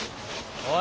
おい！